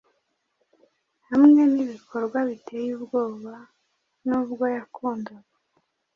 Hamwe nibikorwa biteye ubwoba nubwo yakundaga